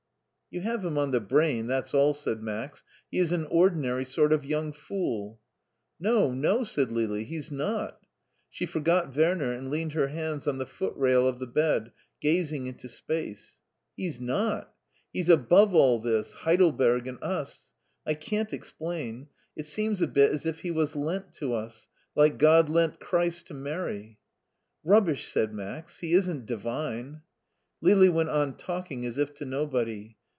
You have him on the brain, that's all !" said Max. He is an ordinary sort of young fool." No, no!" said Lili, "he's not!" She forgot Werner and leaned her hands on the footrail of the bed, gazing into space. " He's not He's above all this — ^Heidelberg and us. I can't explain. It seems a bit as if he was lent to us, like God lent Christ to Mary." " Rubbish! " said Max; "he isn't divine." Lili went on talking, as if to nobody.